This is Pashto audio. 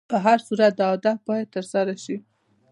په هر صورت دا هدف باید تر سره شي.